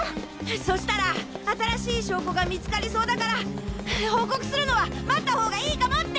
そしたら新しい証拠が見つかりそうだから報告するのは待ったほうがいいかもって！